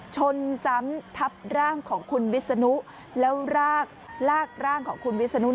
ชนซ้ำทับร่างของคุณวิศนุแล้วลากร่างของคุณวิศนุ